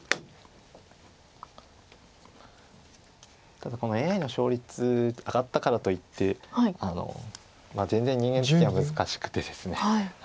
ただこのＡＩの勝率上がったからといって全然人間としては難しくてですね。